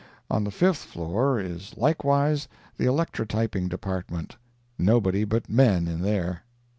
On the fifth floor is likewise the electrotyping department. Nobody but men in there.